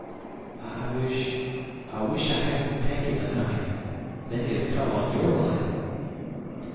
"I wish I wish I hadn't taken the knife. Then he'd have come on your line."